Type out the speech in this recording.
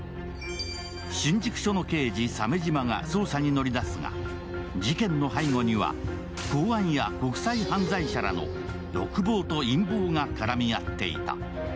新宿署の刑事・鮫島が捜査に乗り出すが、事件の背後には公安や国際犯罪者らの欲望と陰謀が絡み合っていた。